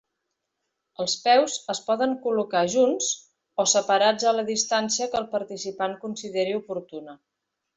Els peus es poden col·locar junts o separats a la distància que el participant consideri oportuna.